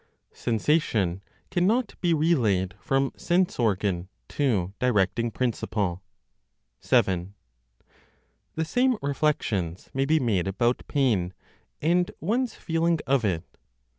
SENSATION CANNOT BE RELAYED FROM SENSE ORGAN TO DIRECTING PRINCIPLE. 7. The same reflections may be made about pain, and one's feeling of it.